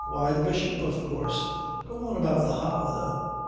"Why, the Bishop, of course. Go on about the hot weather."